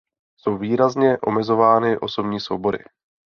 Jsou výrazně omezovány osobní svobody.